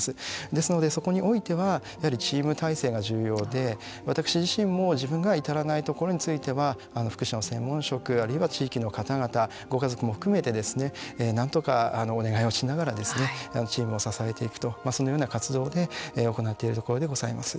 ですので、そこにおいてはやはりチーム体制が重要で私自身も自分が至らないところについては福祉の専門職あるいは地域の方々ご家族も含めてなんとかお願いをしながらチームを支えていくとそのような活動で行っているところでございます。